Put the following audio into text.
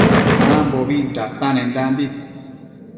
Ambo datanendanbi